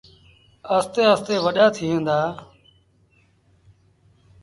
آهستي آهستي وڏآ ٿئيٚݩ دآ۔